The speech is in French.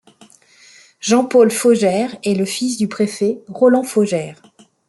Jean-Paul Faugère est le fils du préfet Roland Faugère.